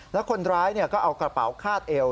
แล้วคนร้ายก็เอากระเป๋าคาดเอว